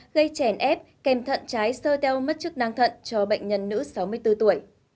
gây chèn ép kèm thận trái sơ teo mất chức năng thận cho bệnh nhân nữ sáu mươi bốn tuổi